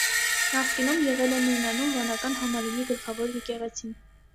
Նախկինում եղել է նույնանուն վանական համալիրի գլխավոր եկեղեցին։